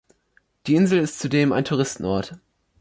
Die Insel ist zudem ein Touristenort.